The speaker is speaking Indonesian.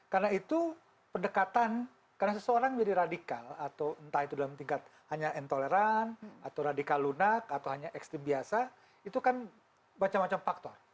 karena itu pendekatan karena seseorang jadi radikal atau entah itu dalam tingkat hanya intoleran atau radikal lunak atau hanya ekstrim biasa itu kan macam macam faktor